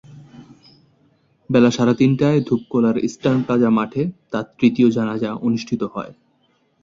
বেলা সাড়ে তিনটায় ধূপখোলার ইস্টার্ন প্লাজা মাঠে তাঁর তৃতীয় জানাজা অনুষ্ঠিত হয়।